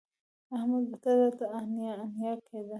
احمد به تل راته انیا انیا کېده